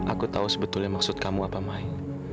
aku tahu sebetulnya maksud kamu apa main